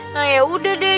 nah yaudah deh